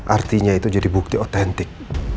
artinya itu jadi bukti otentik